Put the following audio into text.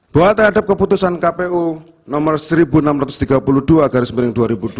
bahwa terhadap keputusan kpu nomor seribu enam ratus tiga puluh dua garis miring dua ribu dua puluh